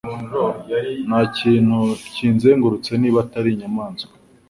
ntakintu kinzengurutse niba atari inyamaswa